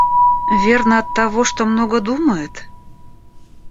Верно, оттого, что много думает?